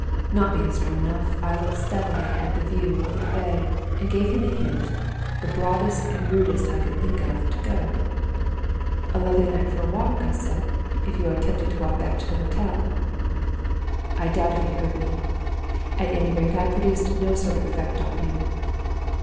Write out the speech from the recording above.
Not being strong enough, I looked steadily at the view over the bay, and gave him a hint, the broadest and rudest I could think of, to go. "'A lovely night for a walk,' I said, 'if you are tempted to walk back to the hotel.' "I doubt if he heard me. At any rate, I produced no sort of effect on him.